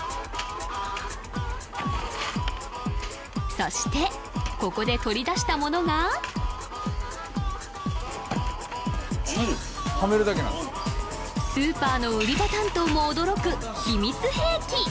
そしてここで取り出したものがスーパーの売り場担当も驚く秘密兵器